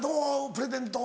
プレゼント